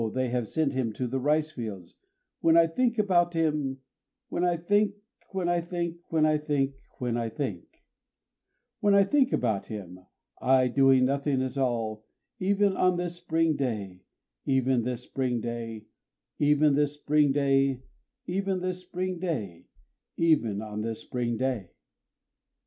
they have sent him to the ricefields! When I think about him, When I think, When I think, When I think, When I think, When I think about him! I doing nothing at all, Even on this spring day, Even this spring day, Even this spring day, Even this spring day, Even on this spring day!